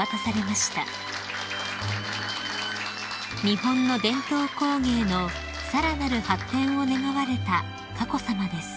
［日本の伝統工芸のさらなる発展を願われた佳子さまです］